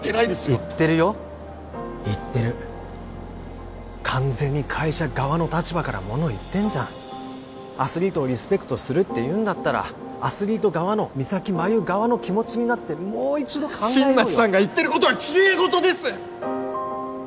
言ってるよ言ってる完全に会社側の立場からもの言ってんじゃんアスリートをリスペクトするっていうんだったらアスリート側の三咲麻有側の気持ちになってもう一度考えようよ新町さんが言ってることはきれい事です！